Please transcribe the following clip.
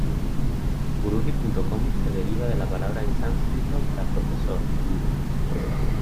Guruji.com se deriva de la palabra en sánscrito para "profesor", Guru.